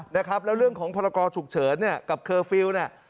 แล้วเรื่องของพลกรฉุกเฉินกับเคอร์ฟิลล์